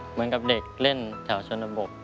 เหมือนกับเด็กเล่นแถวชนบท